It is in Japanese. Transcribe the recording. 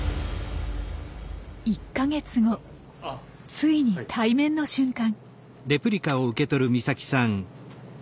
ついに対面の瞬間。